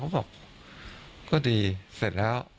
บอกก็ดีเสร็จแล้ว